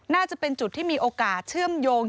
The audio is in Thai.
น่าจะเป็นจุดที่มีโอกาสเชื่อมโยง